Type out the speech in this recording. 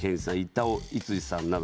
板尾創路さんなど。